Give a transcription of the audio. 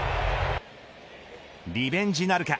リベンジなるか。